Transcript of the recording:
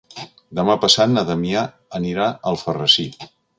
Demà passat na Damià anirà a Alfarrasí.